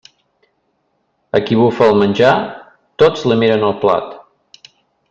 A qui bufa el menjar, tots li miren el plat.